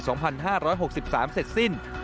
เสร็จสิ้น